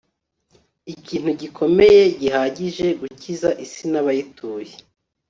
ikintu gikomeye gihagije gukiza isi nabayituye